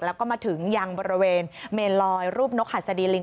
แล้วก็มาถึงยังบริเวณเมนลอยรูปนกหัสดีลิง